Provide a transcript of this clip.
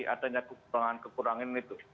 adanya kekurangan kekurangan itu